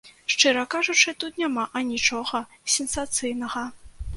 Шчыра кажучы, тут няма анічога сенсацыйнага.